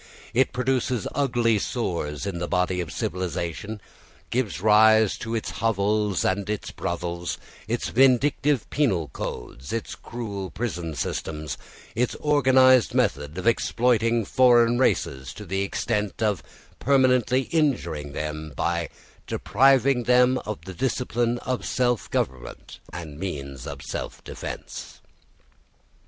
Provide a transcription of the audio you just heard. It produces ugly sores in the body of civilisation, gives rise to its hovels and brothels, its vindictive penal codes, its cruel prison systems, its organised method of exploiting foreign races to the extent of permanently injuring them by depriving them of the discipline of self government and means of self defence.